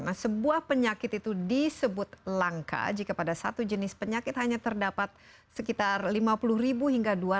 nah sebuah penyakit itu disebut langka jika pada satu jenis penyakit hanya satu jenis penyakit langka yang menyerang sebagian kecil populasi manusia di seluruh dunia